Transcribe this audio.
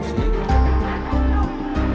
di kota alam